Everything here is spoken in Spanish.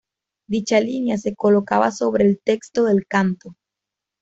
Dicha línea se colocaba sobre el texto del canto.